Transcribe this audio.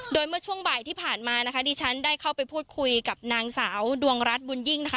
โดยเมื่อช่วงบ่ายที่ผ่านมานะคะดิฉันได้เข้าไปพูดคุยกับนางสาวดวงรัฐบุญยิ่งนะคะ